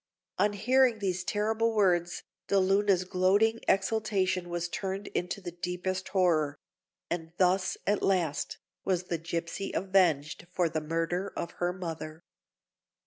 On hearing these terrible words, De Luna's gloating exultation was turned into the deepest horror; and thus, at last, was the gipsy avenged for the murder of her mother.